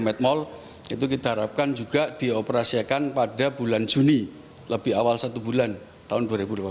medmol itu kita harapkan juga dioperasiakan pada bulan juni lebih awal satu bulan tahun dua ribu delapan belas